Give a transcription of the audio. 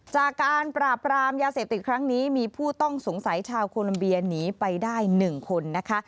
จากการปราบรามยาเสพติดครั้งนี้มีผู้ต้องสงสัยชาวโคลัมเบียหนีไปได้๑คนนะคะ